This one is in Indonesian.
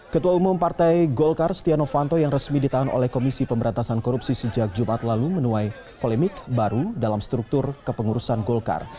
ketua umum partai golkar stiano fanto yang resmi ditahan oleh komisi pemberantasan korupsi sejak jumat lalu menuai polemik baru dalam struktur kepengurusan golkar